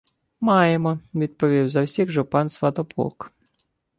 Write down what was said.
— Маємо, — відповів за всіх жупан Сватоплук.